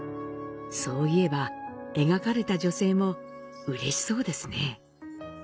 そういえば描かれた女性も嬉しそうですね。